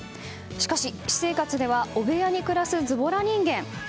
しかし、私生活では汚部屋に暮らすズボラ人間。